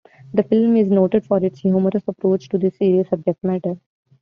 The film is noted for its humorous approach to this serious subject matter.